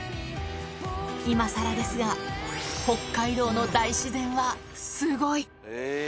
いまさらですが、北海道の大自然はすごい。